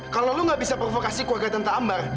kalau lo gak bisa provokasi keluarga tante ambar